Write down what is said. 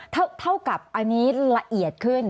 เท่ากับอันนี้ละเอียดขึ้น